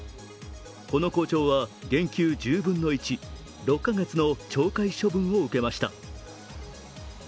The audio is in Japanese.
この校長は減給１０分の１６カ月の懲戒処分を受けました。